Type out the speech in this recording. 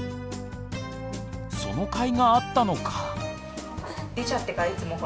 そのかいがあったのか。